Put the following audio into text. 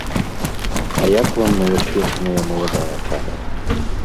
А як вам новаспечаная маладая пара?